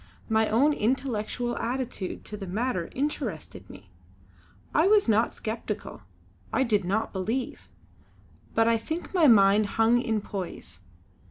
My own intellectual attitude to the matter interested me. I was not sceptical, I did not believe; but I think my mind hung in poise.